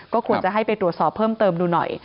ก็ควรจะให้ไปตรวจสอบเพิ่มเติมดูหน่อย